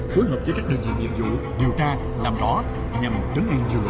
phối hợp với các đơn vị nhiệm vụ điều tra làm rõ nhằm đứng an dựa